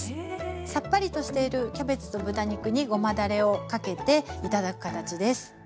さっぱりとしているキャベツと豚肉にごまだれをかけて頂く形です。